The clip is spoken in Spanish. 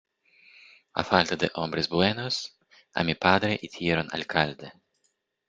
A falta de hombres buenos, a mi padre hicieron alcalde.